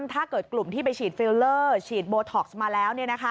ถ้าเกิดกลุ่มที่ไปฉีดฟิลเลอร์ฉีดโบท็อกซ์มาแล้ว